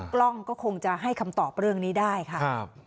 กล้องก็คงจะให้คำตอบเรื่องนี้ได้ค่ะ